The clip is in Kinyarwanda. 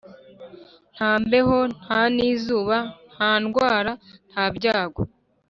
nta mbeho, nta n'izuba, nta ndwara, ntabyago.